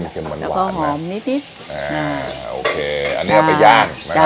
เค็มหวานแล้วก็หอมนิดนิดอ่าโอเคอันนี้เอาไปย่างนะฮะจ้ะ